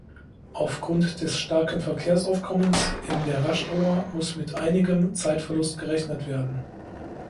Aufgrund des starken Verkehrsaufkommens in der Rush Hour muss mit einigem Zeitverlust gerechnet werden.